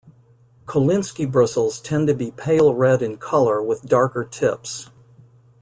Kolinsky bristles tend to be pale red in colour with darker tips.